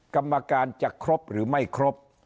กรรมการจะครบหรือไม่ครบ